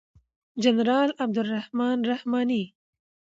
جنرال عبدالرحمن رحماني